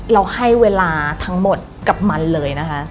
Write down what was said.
เราให้เวลาทั้งหมดกับมันเลยนะคะ